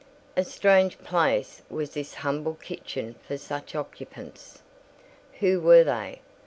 A strange place was this humble kitchen for such occupants! Who were they?